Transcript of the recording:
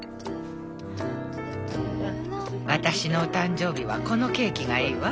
私のお誕生日はこのケーキがいいわ。